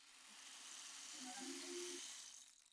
siku kadhaa zimepita tukiwafafanulia hali ilivyo